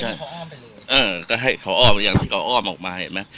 ใช่ก็ให้เขาอ้อมอย่างที่เขาอ้อมออกมาเห็นมั้ย